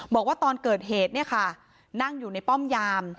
บอกว่าตอนเกิดเหตุเนี่ยค่ะนั่งอยู่ในป้อมยาม